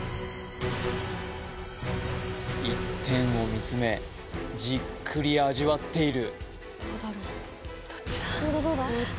一点を見つめじっくり味わっている